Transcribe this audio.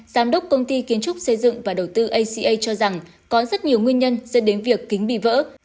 giám đốc công ty kiến trúc xây dựng và đầu tư aca cho rằng có rất nhiều nguyên nhân dẫn đến việc kính bị vỡ